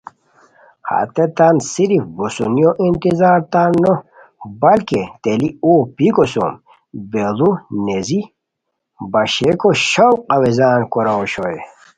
ہتیتان صرف بوسونیو انتظار تان نو بلکہ تیلی اوغ پیکو سُم بیڑو نیزی باشئیکو شوق آویزان کوراؤ اوشوئے